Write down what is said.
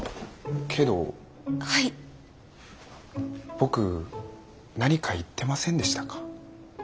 僕何か言ってませんでしたか？